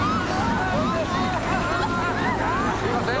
すいませーん。